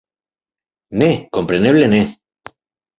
Ne, kompreneble ne!